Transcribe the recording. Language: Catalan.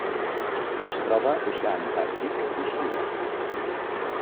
Es troba a l'oceà Antàrtic i Xile.